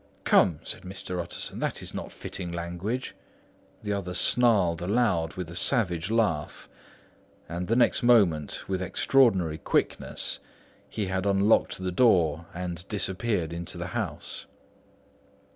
"Come," said Mr. Utterson, "that is not fitting language." The other snarled aloud into a savage laugh; and the next moment, with extraordinary quickness, he had unlocked the door and disappeared into the house.